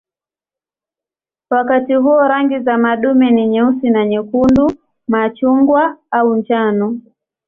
Wakati huo rangi za madume ni nyeusi na nyekundu, machungwa au njano.